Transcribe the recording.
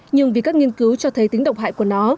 nhưng vì các nghiên cứu cho thấy tính độc hại của nó